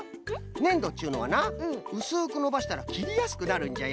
ねんどっちゅうのはなうすくのばしたらきりやすくなるんじゃよ。